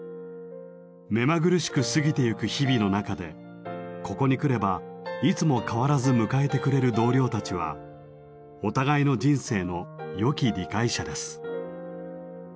目まぐるしく過ぎてゆく日々の中でここに来ればいつも変わらず迎えてくれる同僚たちはお互いの人生のよき理解者です。